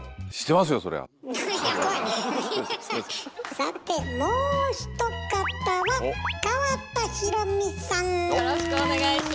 さてもう一方はよろしくお願いします。